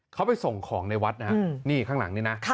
เขาไปส่งของในวัดนะฮะนี่ข้างหลังนี่นะ